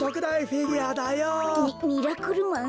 ミミラクルマン？